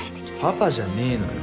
パパじゃねぇのよ。